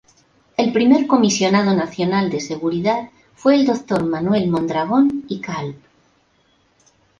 El primer Comisionado Nacional de Seguridad fue el Dr. Manuel Mondragón y Kalb.